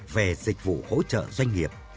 về dịch vụ hỗ trợ doanh nghiệp